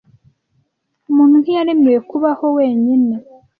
Umuntu ntiyaremewe kubaho wenyine.